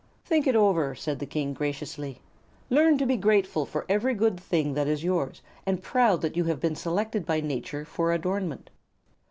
"Think it over," said the King, graciously. "Learn to be grateful for every good thing that is yours, and proud that you have been selected by Nature for adornment.